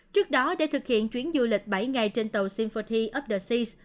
trước đó để thực hiện chuyến du lịch bảy ngày trên tàu symphony of the sea